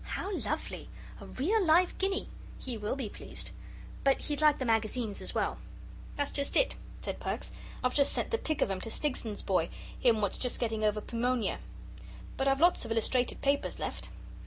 "How lovely! A real live guinea! He will be pleased. But he'd like the Magazines as well." "That's just it," said Perks. "I've just sent the pick of 'em to Snigson's boy him what's just getting over the pewmonia. But I've lots of illustrated papers left."